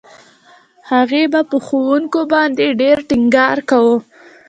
هغې به په ښوونکو باندې ډېر ټينګار کاوه.